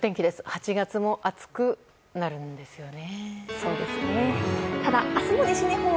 ８月も暑くなるんですよね。